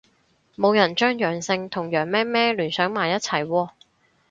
冇人將陽性同羊咩咩聯想埋一齊喎